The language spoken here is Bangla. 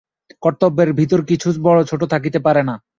কর্তব্যের ভিতর কিছু বড়-ছোট থাকিতে পারে না।